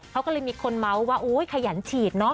เขาก็เลยมีคนเมาะว่าขยันฉีด